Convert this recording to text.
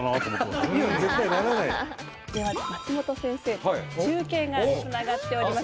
では松本先生と中継がつながっております。